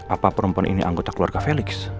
apa perempuan ini anggota keluarga felix